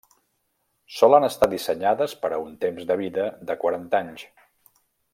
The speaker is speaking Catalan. Solen estar dissenyades per a un temps de vida de quaranta anys.